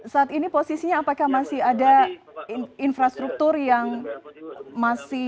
saat ini posisinya apakah masih ada infrastruktur yang masih